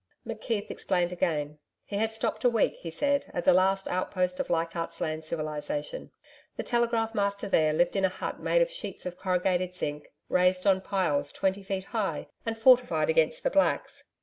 McKeith explained again. He had stopped a week, he said, at the last outpost of Leichardt's land civilisation. The telegraph master there lived in a hut made of sheets of corrugated zinc, raised on piles twenty feet high and fortified against the Blacks.